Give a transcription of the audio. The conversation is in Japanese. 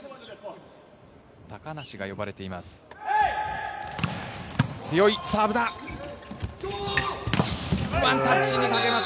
高梨が呼ばれています。